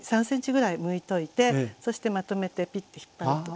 ３ｃｍぐらいむいといてそしてまとめてピッと引っ張る。